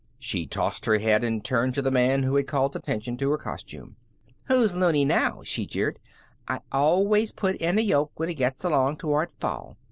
She tossed her head, and turned to the man who had called attention to her costume. "Who's loony now?" she jeered. "I always put in a yoke when it gets along toward fall.